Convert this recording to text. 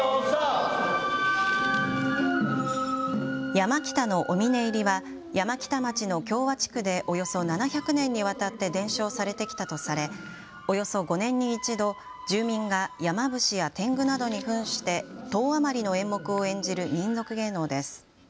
山北のお峰入りは山北町の共和地区でおよそ７００年にわたって伝承されてきたとされおよそ５年に１度、住民が山伏やてんぐなどにふんして１０余りの演目を演じる民俗芸能です。